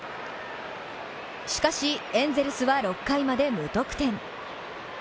しかし、エンゼルスは６回まで無得点。